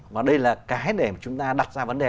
và đây là cái để chúng ta đặt ra vấn đề